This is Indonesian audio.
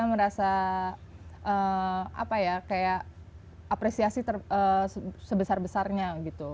merasa apa ya kayak apresiasi sebesar besarnya gitu